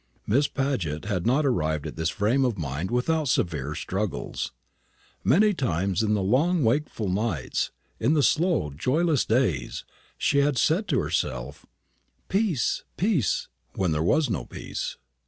Miss Paget had not arrived at this frame of mind without severe struggles. Many times, in the long wakeful nights, in the slow, joyless days, she had said to herself, "Peace, peace, when there was no peace."